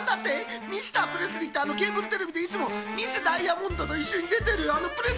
ミスタープレスリーってあのケーブルテレビでいつもミス・ダイヤモンドといっしょにでてるあのプレスリー？